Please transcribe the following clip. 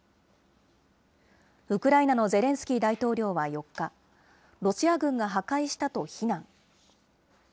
ウクライナのゼレンスキー大統領は４日、ロシア軍が破壊したと非難。